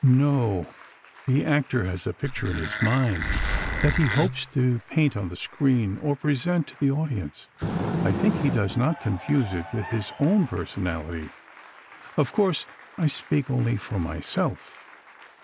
"N no. The actor has a picture in his mind that he hopes to paint on the screen or present to the audience. I think he does not confuse it with his own personality. Of course, I speak only for myself."